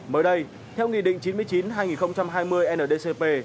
mới đây theo nghị định chín mươi chín hai nghìn hai mươi ndcp